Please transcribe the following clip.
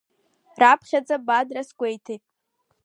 Раԥхьаӡа Бадра сгәеиҭеит…